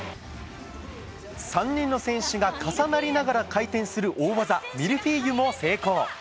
３人の選手が重なりながら回転する大技、ミルフィーユも成功。